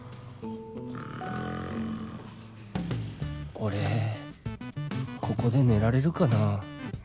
俺ここで寝られるかなぁ